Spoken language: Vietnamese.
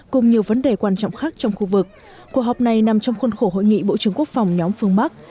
cùng nhiều vấn đề quan trọng khác trong khu vực cuộc họp này nằm trong khuôn khổ hội nghị bộ trưởng quốc phòng nhóm phương bắc